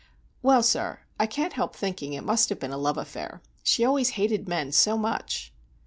"Well, sir, I can't help thinking it must have been a love affair. She always hated men so much."